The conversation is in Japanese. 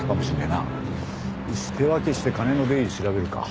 よし手分けして金の出入り調べるか。